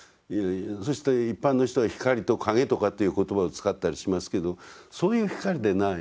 そして一般の人は光と影とかっていう言葉を使ったりしますけどそういう光でない。